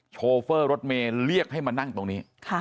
โชเฟอร์รถเมย์เรียกให้มานั่งตรงนี้